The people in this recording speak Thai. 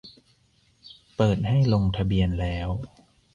เปิดให้ลงทะเบียนแล้ว